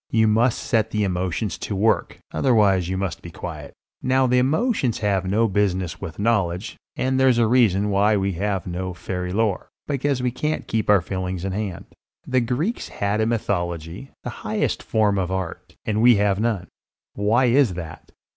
You must set the emotions to work; otherwise you must be quiet. Now the emotions have no business with knowledge; and there's a reason why we have no fairy lore, because we can't keep our feelings in hand. The Greeks had a mythology, the highest form of Art, and we have none. Why is that?